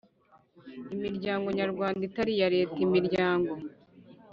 Imiryango nyarwanda itari iya Leta Imiryango